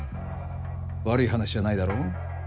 悪い話じゃないだろう？